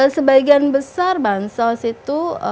sebagian besar bansos itu